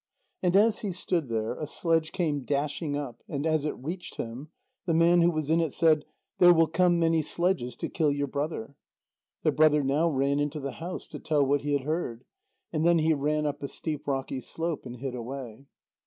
And as he stood there, a sledge came dashing up, and as it reached him, the man who was in it said: "There will come many sledges to kill your brother." The brother now ran into the house to tell what he had heard. And then he ran up a steep rocky slope and hid away.